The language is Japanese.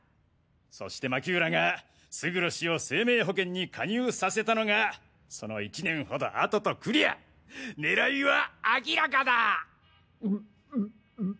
そして巻浦が勝呂氏を生命保険に加入させたのがその１年ほど後とくりゃ狙いは明らかだ！